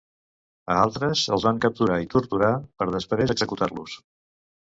A altres els van capturar i torturar, per després executar-los.